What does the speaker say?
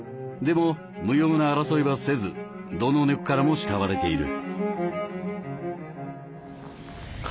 でも無用な争いはせずどの猫からも慕われている。